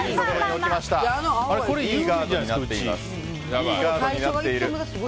いいガードになっています。